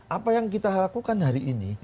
apa yang kita lakukan hari ini